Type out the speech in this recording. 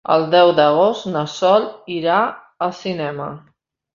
El deu d'agost na Sol irà al cinema.